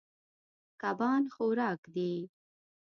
کبان خوراک دي.